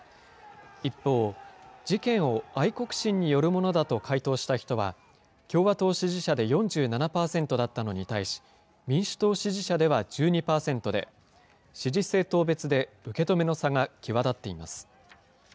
一方、事件を愛国心によるものだと回答した人は、共和党支持者で４７％だったのに対し、民主党支持者では１２％で、支持政党別で受け止めの差が際立っています。